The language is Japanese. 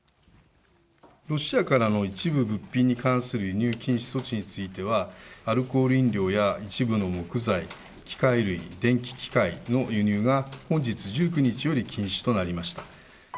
ロシアからの一部物品に関する輸入禁止措置については、アルコール飲料や一部の木材、機械類、電気機械の輸入が本日１９日より禁止となりました。